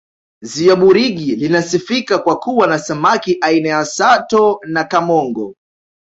ziwa burigi linasifika kwa kuwa na samaki aina ya sato na kamongo